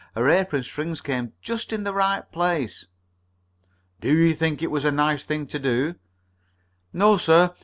Her apron strings came just in the right place." "Do you think it was a nice thing to do?" "No, sir.